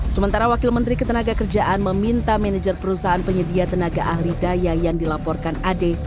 sementara wakil menteri ketenaga kerjaan meminta manajer perusahaan penyedia tenaga ahli daya yang dilaporkan ade